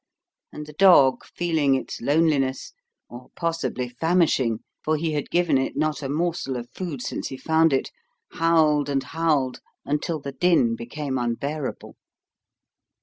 And the dog, feeling its loneliness, or, possibly, famishing for he had given it not a morsel of food since he found it howled and howled until the din became unbearable.